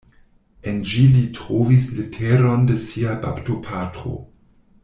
En ĝi li trovis leteron de sia baptopatro.